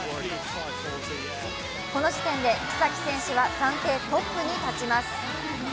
この時点で草木選手は暫定トップに立ちます。